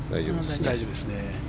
大丈夫ですね。